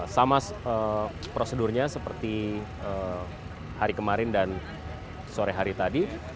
sama prosedurnya seperti hari kemarin dan sore hari tadi